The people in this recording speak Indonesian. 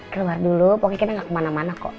keluar dulu pokoknya kita gak kemana mana kok